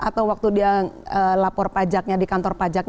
atau waktu dia lapor pajaknya di kantor pajaknya